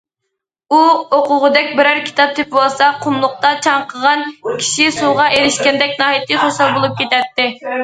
ئۇ ئوقۇغۇدەك بىرەر كىتاب تېپىۋالسا، قۇملۇقتا چاڭقىغان كىشى سۇغا ئېرىشكەندەك ناھايىتى خۇشال بولۇپ كېتەتتى.